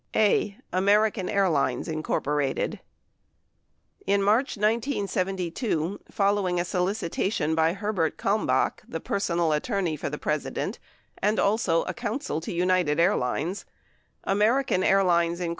A. American Airlines, Inc. In March 1972, r ol lowing a solicitation by Herbert Kalmbach. the personal attorney for the President and also counsel to United Airlines. American Airlines, Inc.